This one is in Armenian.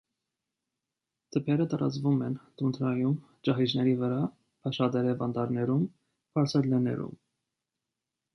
Թփերը տարածված են տունդրայում, ճահիճների վրա, փշատերև անտառներում, բարձր լեռներում։